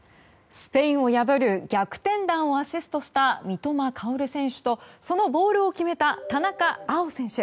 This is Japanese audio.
スペインを破る逆転弾をアシストした三笘薫選手とそのボールを決めた田中碧選手。